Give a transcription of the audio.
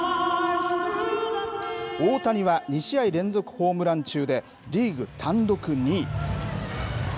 大谷は２試合連続ホームラン中で、リーグ単独２位。